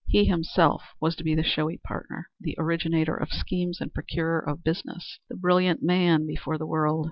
He himself was to be the showy partner, the originator of schemes and procurer of business, the brilliant man before the world.